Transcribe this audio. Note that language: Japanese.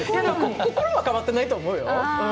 心は変わってないと思うよ。